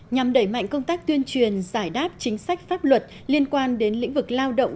nhằm đẩy mạnh công tác tuyên truyền giải đáp chính sách pháp luật liên quan đến lĩnh vực lao động